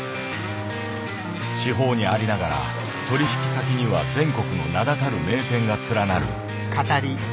地方にありながら取引先には全国の名だたる名店が連なる。